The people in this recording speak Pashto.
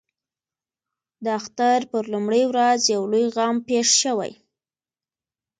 د اختر پر لومړۍ ورځ یو لوی غم پېښ شوی.